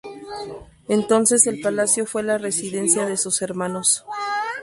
Entonces el palacio fue la residencia de sus hermanos.